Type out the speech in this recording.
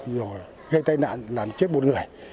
rồi gây tai nạn làm chết một người